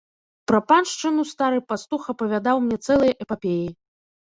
Пра паншчыну стары пастух апавядаў мне цэлыя эпапеі.